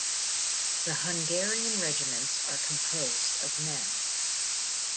The Hungarian regiments are composed of men.